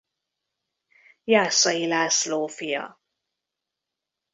Jászai László fia.